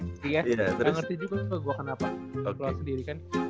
gak ngerti juga gue kenapa keluar sendiri kan